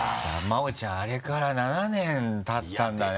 真央ちゃんあれから７年たったんだね。